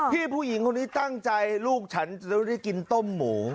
ผู้หญิงคนนี้ตั้งใจลูกฉันจะได้กินต้มหมู